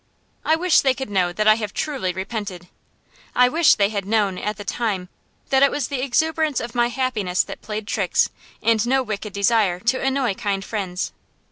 I wish they could know that I have truly repented. I wish they had known at the time that it was the exuberance of my happiness that played tricks, and no wicked desire to annoy kind friends.